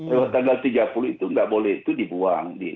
lewat tanggal tiga puluh itu nggak boleh itu dibuang